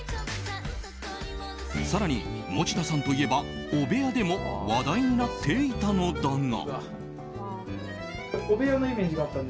更に餅田さんといえば汚部屋でも話題となっていたのだが。